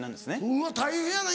うわ大変やな